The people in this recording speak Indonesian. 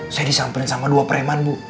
saya disampelin sama dua pereman bu